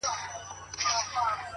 ور ناورین یې د کارګه غریب مېله کړه٫